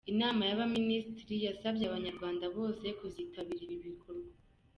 Inama y’Abaminisitiri yasabye Abanyarwanda bose kuzitabira ibi bikorwa.